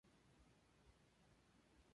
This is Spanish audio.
El álbum sólo se lanzó en Rusia.